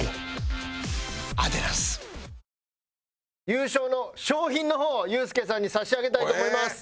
優勝の賞品の方をユースケさんに差し上げたいと思います。